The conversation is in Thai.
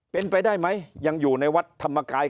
เป็นไปได้ไหมยังอยู่ในวัดธรรมกาย